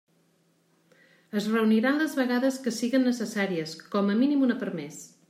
Es reuniran les vegades que siguen necessàries, com a mínim una per mes.